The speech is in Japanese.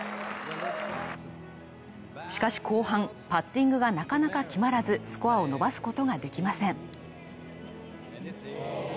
しかし後半、パッティングがなかなか決まらず、スコアを伸ばすことができません。